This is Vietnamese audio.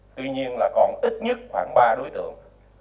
tuy nhiên là còn ít nhất khoảng ba đối tượng